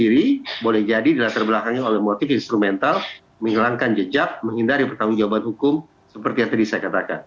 sementara mutilasinya sendiri boleh jadi di latar belakangnya oleh motif instrumental menghilangkan jejak menghindari pertanggung jawaban hukum seperti yang tadi saya katakan